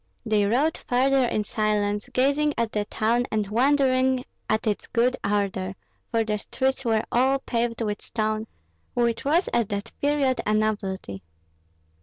They rode farther in silence, gazing at the town and wondering at its good order; for the streets were all paved with stone, which was at that period a novelty.